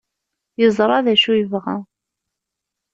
Yeẓra d acu yebɣa.